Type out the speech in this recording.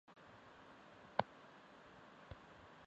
纹绡蝶属是蛱蝶科斑蝶亚科绡蝶族中的一个属。